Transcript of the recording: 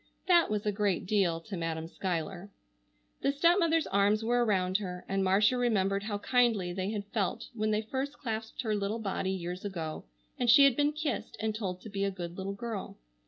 That was a great deal to Madam Schuyler. The stepmother's arms were around her and Marcia remembered how kindly they had felt when they first clasped her little body years ago, and she had been kissed, and told to be a good little girl.